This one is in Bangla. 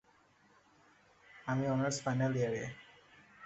আমি অনার্স ফাইনাল ইয়ারে।